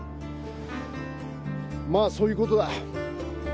まあそういうことだ。